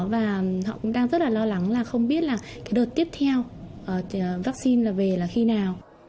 và họ cũng đang rất là lo lắng là không biết là cái đợt tiếp theo vaccine về là khi nào